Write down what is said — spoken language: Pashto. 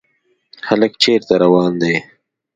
هلک چېرته روان دی ؟